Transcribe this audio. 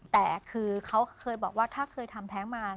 แต่คือเขาเคยบอกว่าถ้าเคยทำแท้งมา